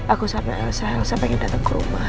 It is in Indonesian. aku sama elosa elosa pengen datang ke rumah